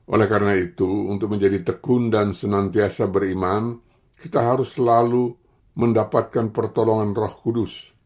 oleh karena itu untuk menjadi tekun dan senantiasa beriman kita harus selalu mendapatkan pertolongan roh kudus